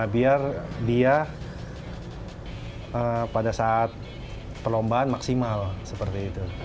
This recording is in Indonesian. biar dia pada saat perlombaan maksimal seperti itu